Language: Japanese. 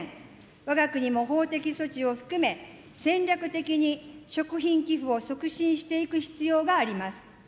わが国も法的措置を含め、戦略的に食品寄付を促進していく必要があります。